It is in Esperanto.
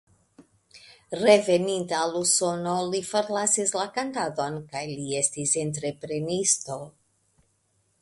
Reveninta al Usono li forlasis la kantadon kaj li estis entreprenisto.